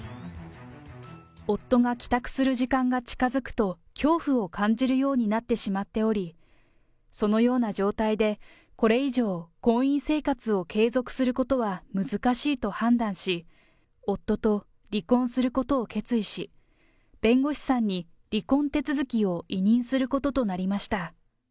夫が帰宅する時間が近づくと、恐怖を感じるようになってしまっており、そのような状態でこれ以上、婚姻生活を継続することは難しいと判断し、夫と離婚することを決意し、弁護士さんに離婚手続きを委任することとなりました。